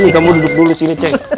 kamu duduk dulu sini ceng